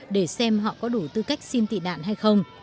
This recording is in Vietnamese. để xem họ có đủ tư cách xin tị nạn hay không